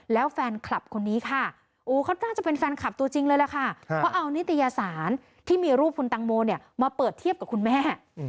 แล้วแฟนคลับคนนี้ค่ะโอ้เขาน่าจะเป็นแฟนคลับตัวจริงเลยล่ะค่ะเขาเอานิตยสารที่มีรูปคุณตังโมเนี่ยมาเปิดเทียบกับคุณแม่